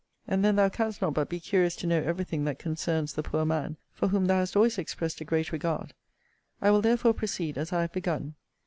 And then thou canst not but be curious to know every thing that concerns the poor man, for whom thou hast always expressed a great regard. I will therefore proceed as I have begun.